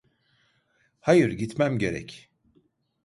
Hayır, gitmem gerek.